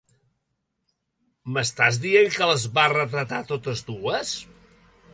M'estàs dient que les va retratar totes dues?